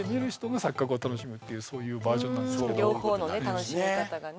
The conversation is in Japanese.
楽しみ方がね